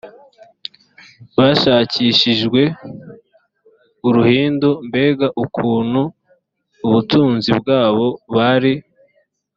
bashakishijwe uruhindu mbega ukuntu ubutunzi bwabo bari